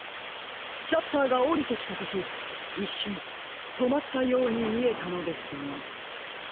シャッターがおりてきたときいっしゅんとまったようにみえたのですが。